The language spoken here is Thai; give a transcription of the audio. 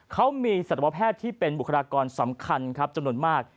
เขามีสัตวแพทย์ที่เป็นบุคลากรสำคัญครับจำนวนมาก